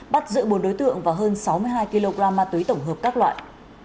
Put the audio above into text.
bắt giữ bốn đối tượng và hơn sáu mươi hai kg ma túy tổng hợp các loại